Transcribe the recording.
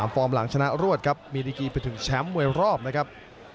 ฟอร์มหลังชนะรวดครับมีดีกีไปถึงแชมป์มวยรอบนะครับ